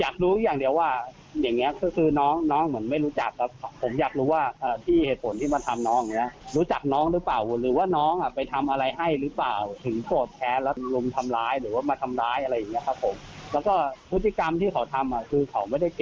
คุณเข้าความยังไม่ได้